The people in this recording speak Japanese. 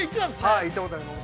◆はい、行ったことあります。